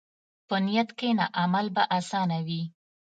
په نیت کښېنه، عمل به اسانه وي.